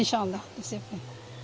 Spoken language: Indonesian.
insya allah disiplin